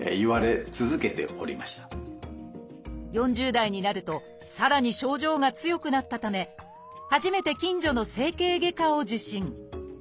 ４０代になるとさらに症状が強くなったため初めて近所の整形外科を受診。